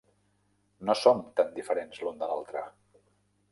No som tan diferents l'un de l'altre.